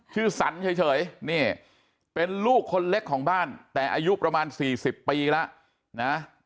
สันเฉยนี่เป็นลูกคนเล็กของบ้านแต่อายุประมาณ๔๐ปีแล้วนะ